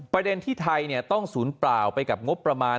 ประเด็นที่ไทยต้องศูนย์เปล่าไปกับงบประมาณ